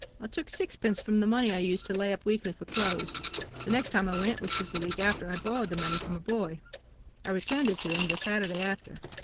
I took sixpence from the money I used to lay up weekly for clothes. The next time I went, which was the week after, I borrowed the money from a boy; I returned it to him the Saturday after.